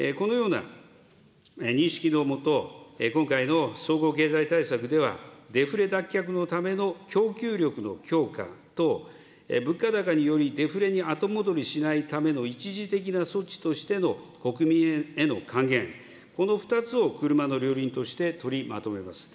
このような認識のもと、今回の総合経済対策ではデフレ脱却のための供給力の強化等、物価高によりデフレに後戻りしないための一時的な措置としての国民への還元、この２つを車の両輪として取りまとめます。